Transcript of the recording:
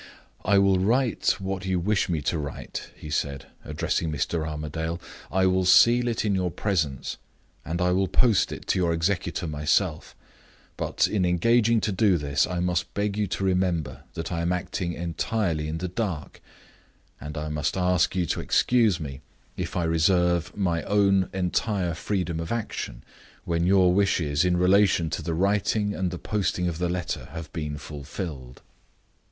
"I will write what you wish me to write," he said, addressing Mr. Armadale. "I will seal it in your presence; and I will post it to your executor myself. But, in engaging to do this, I must beg you to remember that I am acting entirely in the dark; and I must ask you to excuse me, if I reserve my own entire freedom of action, when your wishes in relation to the writing and the posting of the letter have been fulfilled."